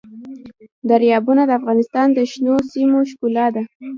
دریابونه د افغانستان د شنو سیمو ښکلا ده.